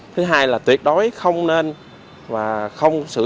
thứ hai là tuyệt đối không nên và không sử dụng